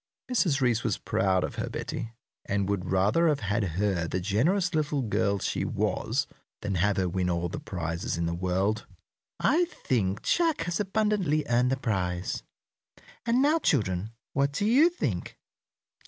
Mrs. Reece was proud of her Betty, and would rather have had her the generous little girl she was than have her win all the prizes in the world. "I think Jack has abundantly earned the prize." "And now, children, what do you think?"